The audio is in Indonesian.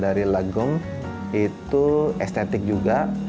dari legong itu estetik juga